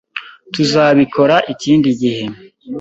Tuzabikora ikindi gihe.